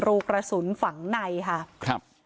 รูกระสุนฝังในค่ะครับ